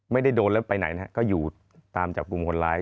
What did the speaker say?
ไม่ได้โดนแล้วไปไหนนะครับก็อยู่ตามจับกลุ่มคนร้าย